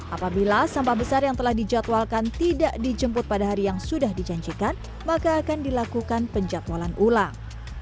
apabila sampah besar yang telah dijadwalkan tidak dijemput pada hari yang sudah dijanjikan maka akan dilakukan penjatualan ulang